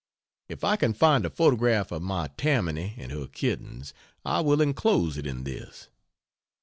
If I can find a photograph of my "Tammany" and her kittens, I will enclose it in this.